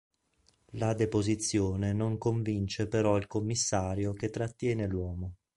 La deposizione non convince però il commissario che trattiene l'uomo.